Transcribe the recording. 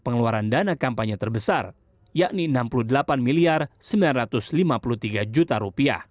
pengeluaran dana kampanye terbesar yakni rp enam puluh delapan sembilan ratus lima puluh tiga